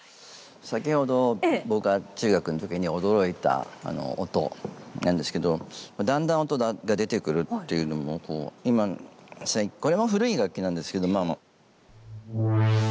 先ほど僕が中学の時に驚いた音なんですけどだんだん音が出てくるっていうのもこう今これも古い楽器なんですけど。